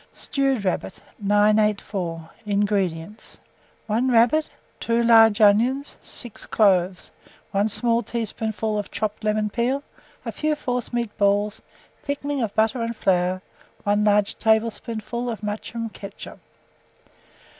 STEWED RABBIT. 984. INGREDIENTS. 1 rabbit, 2 large onions, 6 cloves, 1 small teaspoonful of chopped lemon peel, a few forcemeat balls, thickening of butter and flour, 1 large tablespoonful of mushroom ketchup.